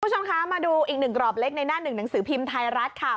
คุณผู้ชมคะมาดูอีกหนึ่งกรอบเล็กในหน้าหนึ่งหนังสือพิมพ์ไทยรัฐค่ะ